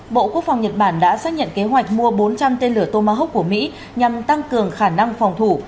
bộ quốc phòng nhật bản đã xác nhận kế hoạch mua bốn trăm linh tên lửa tomahawk của mỹ nhằm tăng cường khả năng phòng thủ